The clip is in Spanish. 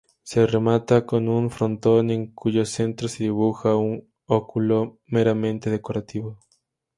Se remata con un frontón en cuyo centro se dibuja un óculo meramente decorativo.